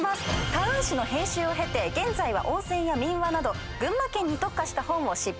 タウン誌の編集を経て現在は温泉や民話など群馬県に特化した本を執筆。